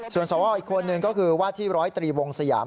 ส่วนสวอีกคนหนึ่งก็คือว่าที่ร้อยตรีวงสยาม